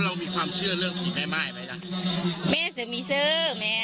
แม่ไม่เชื่อแล้วแม่มาอยู่ในพิธี